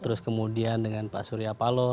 terus kemudian dengan pak surya paloh